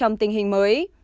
trong tình hình mới